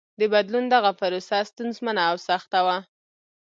د بدلون دغه پروسه ستونزمنه او سخته وه.